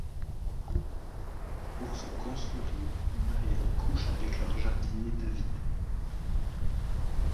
Pour se consoler, Muriel couche avec leur jardinier David.